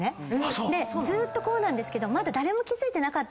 ずーっとこうなんですけどまだ誰も気付いてなかった。